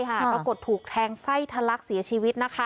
ปรากฏถูกแทงไส้ทะลักเสียชีวิตนะคะ